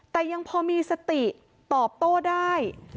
แต่ยังพอมีสติตอบโต้ได้